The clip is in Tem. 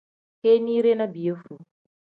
Kinide ni piyefuu.